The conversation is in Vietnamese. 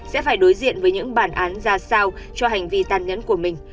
sẽ phải đối diện với những bản án ra sao cho hành vi gian nhẫn của mình